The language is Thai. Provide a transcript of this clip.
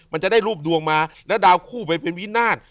มันจะได้รูปดวงมาแล้วดาวคู่ไปเป็นวินาศ